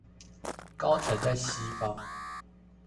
高層在西方